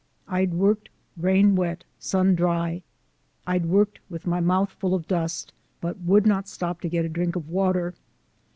I'd worked rain wet sun dry. I'd worked wid my mouf full of dust, but would not stop to get a drink of water.